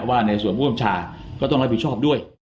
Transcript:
ว่าในส่วนผู้บัญชาก็ต้องรับผิดชอบด้วย